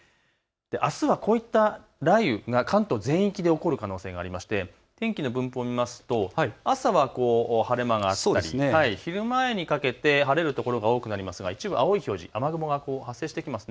あすはこういった雷雨が関東全域で起こる可能性がありまして天気の分布を見ますと朝は晴れ間があったり昼前にかけて晴れる所が多くなりますが一部青い表示、雨雲が発生してきています。